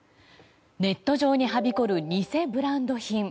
ネット上にはびこる偽ブランド品。